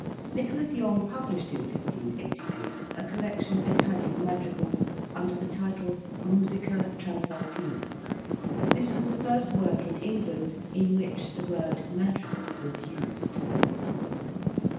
Nicholas Yonge published in 1588 a col lection of Italian madrigals under the title '' Musica Transalpina. " This was the first work in England in which the word "Mad rigal" was used.